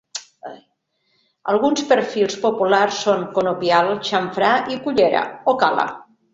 Alguns perfils populars son "conopial", "xamfrà" i "cullera" o "cala".